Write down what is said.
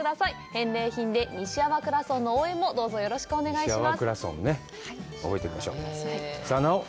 返礼品で、西粟倉村の応援もよろしくお願いいたします。